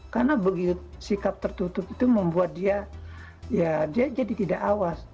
karena begitu sikap tertutup itu membuat dia ya dia jadi tidak awas